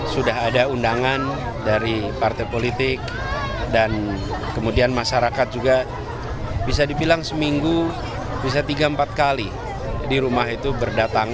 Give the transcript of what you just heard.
sudah ada undangan dari partai politik dan kemudian masyarakat juga bisa dibilang seminggu bisa tiga empat kali di rumah itu berdatangan